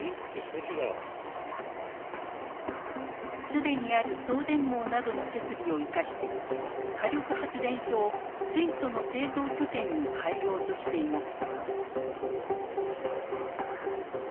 既にある送電網などの設備を生かして火力発電所を水素の製造拠点に変えようとしています。